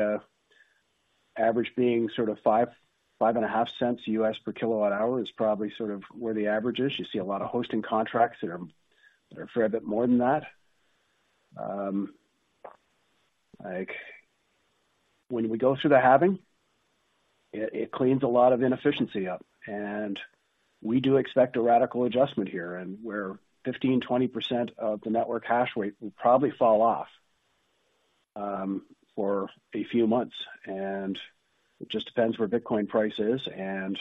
average being sort of $0.05-$0.055 per kWh is probably sort of where the average is. You see a lot of hosting contracts that are, that are a fair bit more than that. Like, when we go through the halving, it cleans a lot of inefficiency up, and we do expect a radical adjustment here, and where 15%-20% of the network hash rate will probably fall off, for a few months, and it just depends where Bitcoin price is and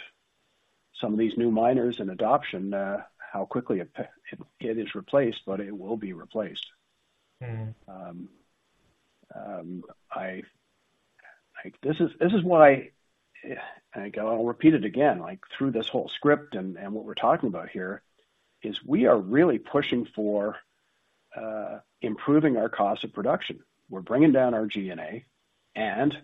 some of these new miners and adoption, how quickly it is replaced, but it will be replaced. Like, this is why I'll repeat it again, like, through this whole script and what we're talking about here is we are really pushing for improving our cost of production. We're bringing down our G&A, and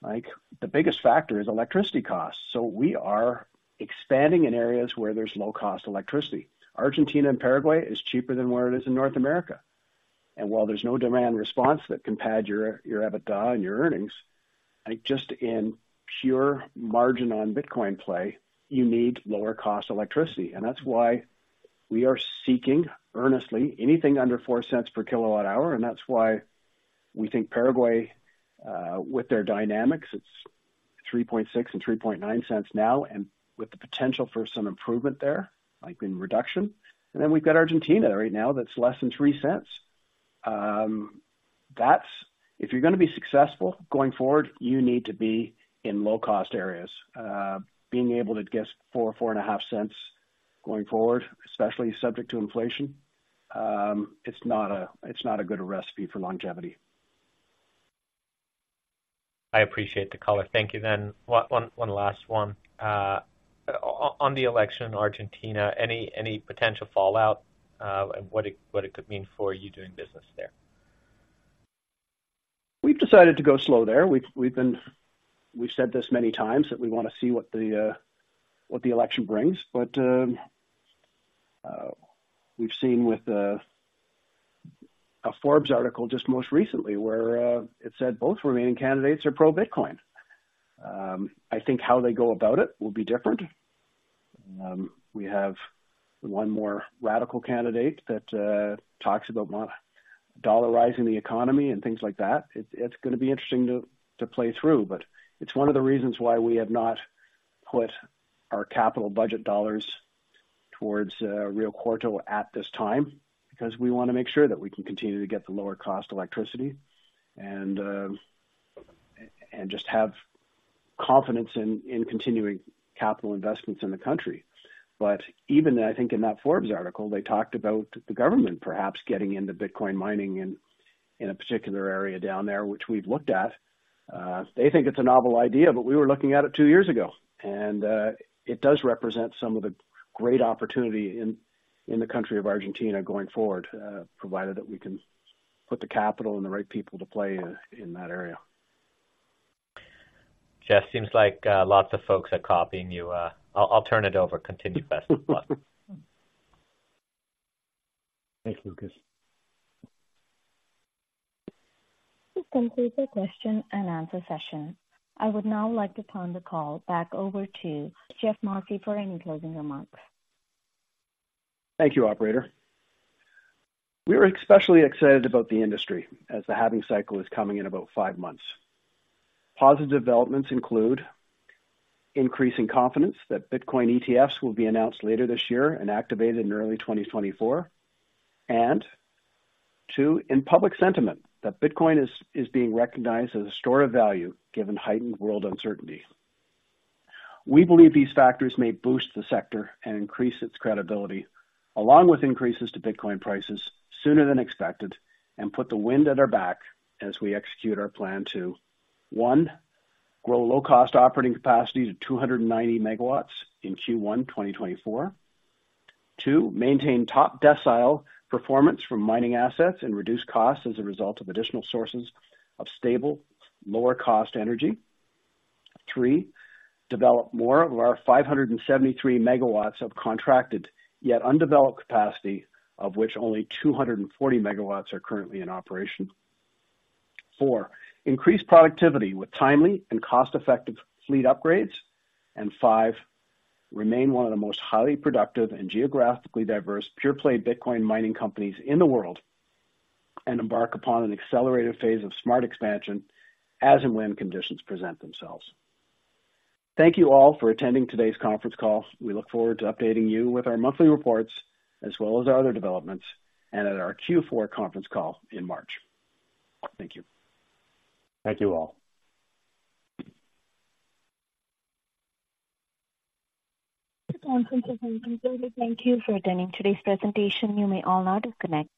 like the biggest factor is electricity costs, so we are expanding in areas where there's low-cost electricity. Argentina and Paraguay is cheaper than where it is in North America. And while there's no demand response that can pad your EBITDA and your earnings, like, just in pure margin on Bitcoin play, you need lower cost electricity. And that's why we are seeking earnestly anything under $0.04 per kWh, and that's why we think Paraguay with their dynamics, it's $0.036-$0.039 now, and with the potential for some improvement there, like in reduction. Then we've got Argentina right now, that's less than $0.03. That's if you're gonna be successful going forward, you need to be in low-cost areas. Being able to get $0.04-$0.045 going forward, especially subject to inflation, it's not a, it's not a good recipe for longevity. I appreciate the color. Thank you. Then one last one. On the election in Argentina, any potential fallout, and what it could mean for you doing business there? We've decided to go slow there. We've been. We've said this many times, that we wanna see what the election brings, but we've seen with a Forbes article just most recently, where it said both remaining candidates are pro-Bitcoin. I think how they go about it will be different. We have one more radical candidate that talks about dollarizing the economy and things like that. It's gonna be interesting to play through, but it's one of the reasons why we have not put our capital budget dollars towards Rio Cuarto at this time, because we wanna make sure that we can continue to get the lower cost electricity and just have confidence in continuing capital investments in the country. But even, I think in that Forbes article, they talked about the government perhaps getting into Bitcoin mining in a particular area down there, which we've looked at. They think it's a novel idea, but we were looking at it two years ago, and it does represent some of the great opportunity in the country of Argentina going forward, provided that we can put the capital and the right people to play in that area. Geoff, seems like lots of folks are copying you. I'll turn it over. Continue. The best of luck. Thanks, Lucas. This concludes the question and answer session. I would now like to turn the call back over to Geoff Morphy for any closing remarks. Thank you, operator. We are especially excited about the industry as the halving cycle is coming in about five months. Positive developments include increasing confidence that Bitcoin ETFs will be announced later this year and activated in early 2024. And two, in public sentiment, that Bitcoin is being recognized as a store of value given heightened world uncertainty. We believe these factors may boost the sector and increase its credibility, along with increases to Bitcoin prices sooner than expected, and put the wind at our back as we execute our plan to, one, grow low-cost operating capacity to 290 MW in Q1 2024. Two, maintain top decile performance from mining assets and reduce costs as a result of additional sources of stable, lower-cost energy. Three, develop more of our 573 MW of contracted, yet undeveloped capacity, of which only 240 MW are currently in operation. Four, increase productivity with timely and cost-effective fleet upgrades. And five, remain one of the most highly productive and geographically diverse, pure-play Bitcoin mining companies in the world, and embark upon an accelerated phase of smart expansion as and when conditions present themselves. Thank you all for attending today's conference call. We look forward to updating you with our monthly reports, as well as our other developments, and at our Q4 conference call in March. Thank you. Thank you all. The conference has concluded. Thank you for attending today's presentation. You may all now disconnect.